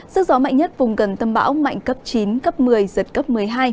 sức gió mạnh nhất vùng gần tâm bão mạnh cấp chín cấp một mươi giật cấp một mươi hai